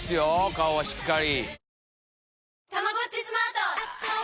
顔はしっかり。